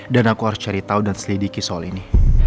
dan aku harus cari tahu dan selidiki soal ini